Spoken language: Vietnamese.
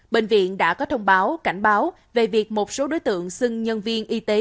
bệnh viện đã có thông báo cảnh báo về việc một số đối tượng xưng nhân viên y tế